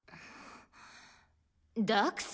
ダックス？